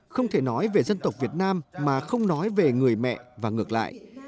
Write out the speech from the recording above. không thể nói về dân tộc việt nam mà không nói về người mẹ và ngược lại